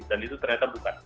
dan itu ternyata bukan